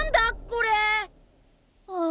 これ！はあ。